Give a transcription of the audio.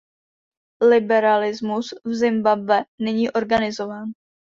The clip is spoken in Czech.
Liberalismus v Zimbabwe není organizován.